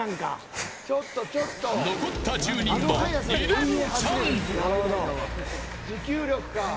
残った１０人は２レンチャン。